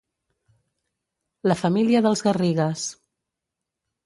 La família dels Garrigues.